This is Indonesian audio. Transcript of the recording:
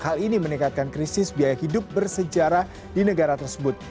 hal ini meningkatkan krisis biaya hidup bersejarah di negara tersebut